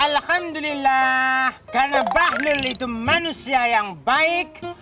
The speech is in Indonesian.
alhamdulillah karena bahlil itu manusia yang baik